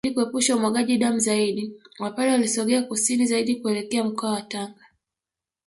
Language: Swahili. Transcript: Ili kuepusha umwagaji damu zaidi Wapare walisogea kusini zaidi kuelekea mkoa wa Tanga